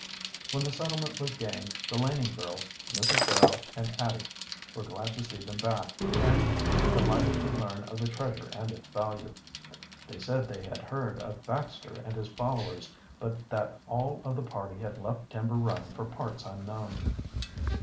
When the settlement was gained the Laning girls, Mrs. Barrow, and Addie were glad to see them back, and delighted to learn of the treasure and its value. They said they had heard of Baxter and his followers, but that all of the party had left Timber Run for parts unknown.